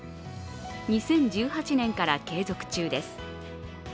２０１８年から継続中です。